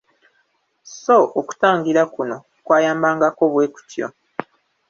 So okutangira kuno kwayambangako bwe kutyo.